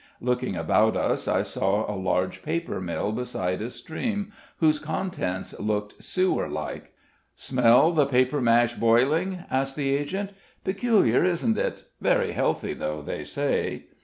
Looking about us, I saw a large paper mill beside a stream, whose contents looked sewer like. "Smell the paper mash boiling?" asked the agent. "Peculiar, isn't it? Very healthy, though, they say."